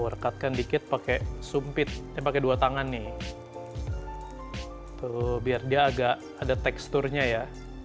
rekatkan dikit pakai sumpit pakai dua tangan nih biar dia agak ada teksturnya ya